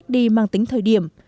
đi mang tính thời điểm